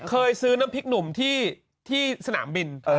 เคยซื้อน้ำพริกหนุ่มที่สนามบิน